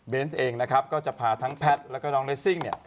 เองนะครับก็จะพาทั้งแพทย์แล้วก็น้องเรสซิ่งเนี่ย